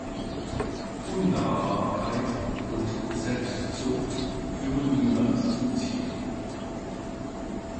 Unnahbarkeit und Selbstsucht führen niemals zum Ziel.